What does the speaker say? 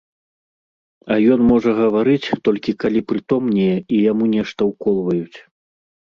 А ён можа гаварыць, толькі калі прытомнее і яму нешта ўколваюць.